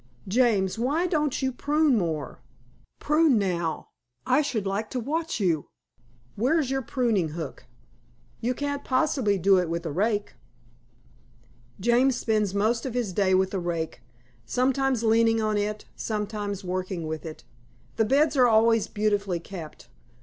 James, why don't you prune more? Prune now I should like to watch you. Where's your pruning hook? You can't possibly do it with a rake." James spends most of his day with a rake sometimes leaning on it, sometimes working with it. The beds are always beautifully kept.